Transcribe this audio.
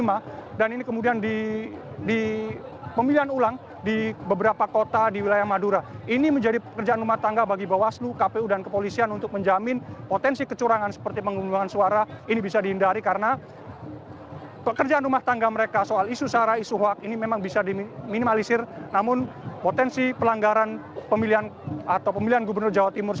mereka hanya berkonsentrasi untuk menjaga keamanan di jawa timur